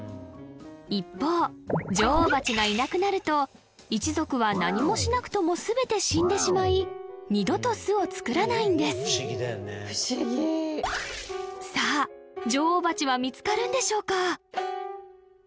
一方女王蜂がいなくなると一族は何もしなくとも全て死んでしまい二度と巣を作らないんです不思議だよね不思議さあ女王蜂は見つかるんでしょうか？